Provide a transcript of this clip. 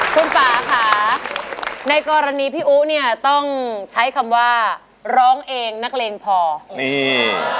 คุณป่าค่ะในกรณีพี่อู๋เนี่ยต้องใช้คำว่าร้องเองนักเลงพอนี่